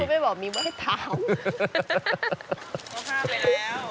ทุกคนไม่บอกว่ามีไว้ทำ